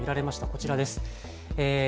こちらです。